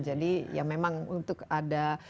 jadi ya memang untuk ada